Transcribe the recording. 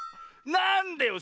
なんでよ